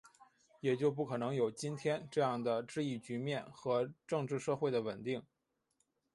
也就不可能有今天这样的治疫局面和政治社会的稳定